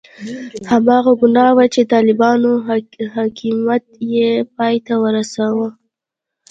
هماغه ګناه وه چې د طالبانو حاکمیت یې پای ته ورساوه.